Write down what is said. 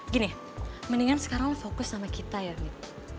gini mendingan sekarang lo fokus sama kita ya mita